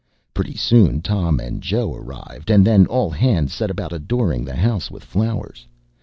Pretty soon Tom and Joe arrived, and then all hands set about adoring the house with flowers.